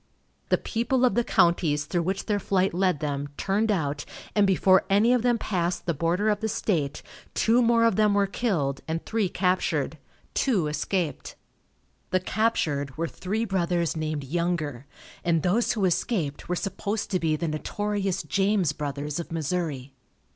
The people of the counties through which their flight led them, turned out, and before any of them passed the border of the state, two more of them were killed and three captured. Two escaped. The captured were three brothers named Younger, and those who escaped were supposed to be the notorious James Brothers of Missouri.